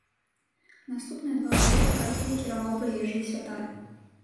Наступныя два гады парафіяй кіраваў прыезджы святар.